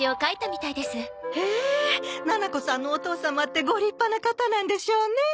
へえななこさんのお父様ってご立派な方なんでしょうね。